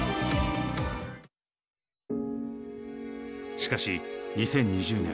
しかし２０２０年